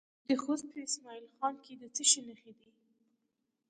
د خوست په اسماعیل خیل کې د څه شي نښې دي؟